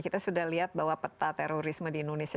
kita sudah lihat bahwa peta terorisme di indonesia